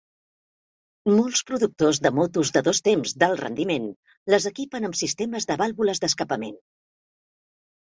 Molts productors de motos de dos temps d'alt rendiment les equipen amb sistemes de vàlvules d'escapament.